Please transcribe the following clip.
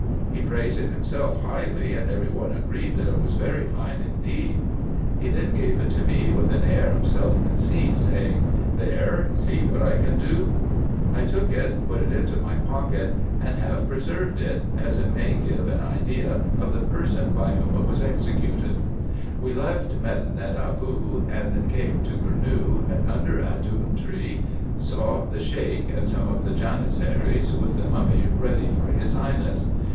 He praised it liimself highly, and every one agreed, that it was very fine indeed. He then gave it me, with an air of self conceit, saying, " There, see what I can do !" I took it, put IN EGYPT, NUBIA, fee. 189 it into my pocket, and have preserved it, as it may give an idea of the person by whom it was executed. We left Medinet Abou and came to Gournou, and under a doum tree saw the Sheik and some of the Janizaries, with the mummy ready for his highness.